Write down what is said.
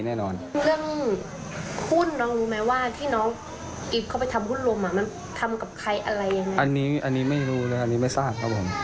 อันนี้ไม่รู้เลยอันนี้ไม่ทราบครับผม